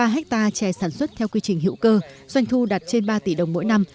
ba hectare chè sản xuất theo quy trình hữu cơ doanh thu đạt trên ba tỷ đồng mỗi năm